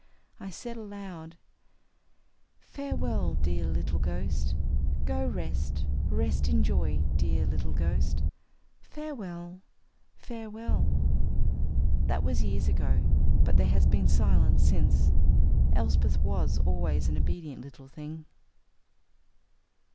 I said aloud: "Farewell, dear little ghost. Go rest. Rest in joy, dear little ghost. Farewell, farewell." That was years ago, but there has been silence since. Elsbeth was always an obedient little thing.